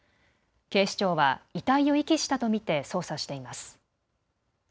警視庁は遺体を遺棄したと見て捜査しています。